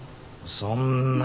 そんな。